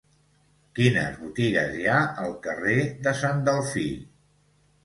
Quines botigues hi ha al carrer de Sant Delfí?